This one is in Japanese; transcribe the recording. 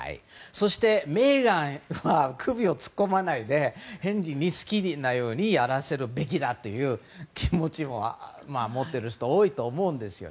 そして、メーガンは首を突っ込まないでヘンリーに好きなようにやらせるべきだという気持ちも持っている人も多いと思うんです。